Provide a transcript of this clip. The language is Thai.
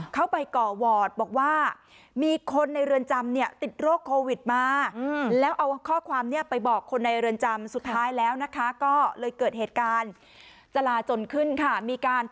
เข้าไปก่อวอร์ดบอกว่ามีคนในเรือนจำเนี่ยติดโรคโควิดมา